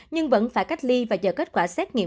nhưng vẫn phải cách ly và chờ kết quả xét nghiệm